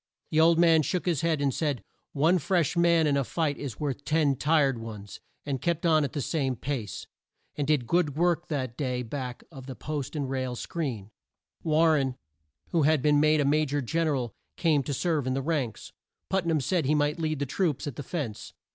The old man shook his head, and said, "One fresh man in a fight is worth ten tired ones," and kept on at the same pace; and did good work that day back of the post and rail screen. War ren, who had been made a Ma jor Gen er al, came to serve in the ranks. Put nam said he might lead the troops at the fence.